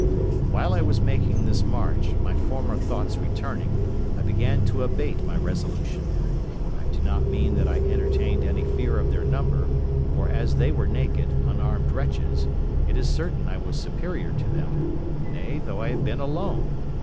While I was making this march, my former thoughts returning, I began to abate my resolution: I do not mean that I entertained any fear of their number, for as they were naked, unarmed wretches, it is certain I was superior to them—nay, though I had been alone.